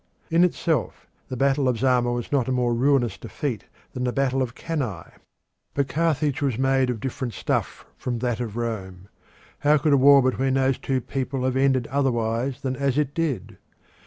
In itself the battle of Zama was not a more ruinous defeat than the battle of Cannae. But Carthage was made of different stuff from that of Rome. How could a war between those two people have ended otherwise than as it did?